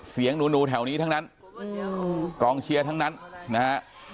เสียงหนูแถวนี้ทั้งนั้นกองเชียร์ทั้งนั้นนะฮะ